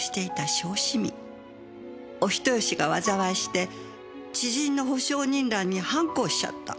お人好しが災いして知人の保証人欄にハンコ押しちゃった。